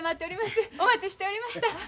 お待ちしておりました。